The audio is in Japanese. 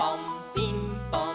ピンポン！